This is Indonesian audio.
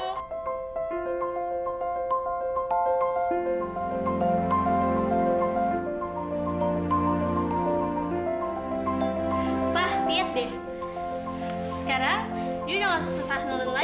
sekarang dia udah udah sudah cannon opo